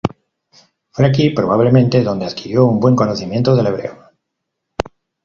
Fue aquí, probablemente, donde adquirió un buen conocimiento del hebreo.